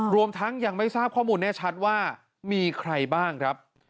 รวมทั้งยังไม่ทราบข้อมูลแน่ชัดว่ามีใครบ้างครับ